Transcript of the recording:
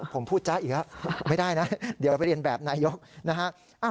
ผมพูดจ๊ะอีกแล้วไม่ได้นะเดี๋ยวไปเรียนแบบนายกนะฮะ